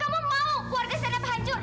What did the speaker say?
kamu mau keluarga sana bahancur